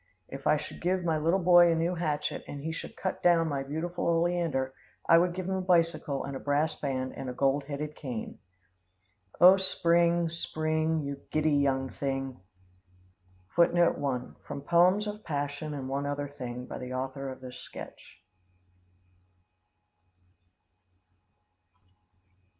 If I should give my little boy a new hatchet and he should cut down my beautiful oleander, I would give him a bicycle and a brass band and a gold headed cane. O spring, spring, You giddy young thing. [Footnote 1: From poems of passion and one thing another, by the author of this sketch.